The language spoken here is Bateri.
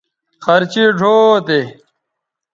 خرچیئ ڙھؤ تے